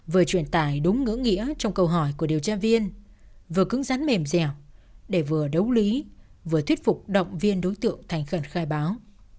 vừa truyền tải đúng ngưỡng nghĩa trong câu hỏi của điều tra viên vừa cứng rắn mềm dẻo để vừa đấu lý vừa thuyết phục động viên đối tượng thành khẩn khai báo